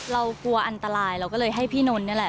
เรากลัวอันตรายเราก็เลยให้พี่นนท์นี่แหละ